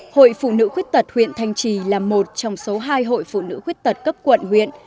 hội phụ nữ khuyết tật huyện thanh trì là một trong số hai hội phụ nữ khuyết tật cấp quận huyện